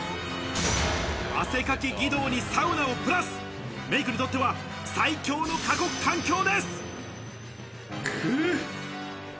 汗かき義堂にサウナをプラス、メイクにとっては最強の過酷環境です。